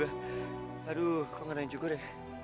aduh kok gak ada yang cukur ya